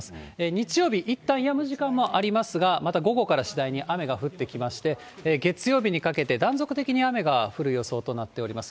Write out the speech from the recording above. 日曜日、いったんやむ時間もありますが、また午後から次第に雨が降ってきまして、月曜日にかけて断続的に雨が降る予想となっています。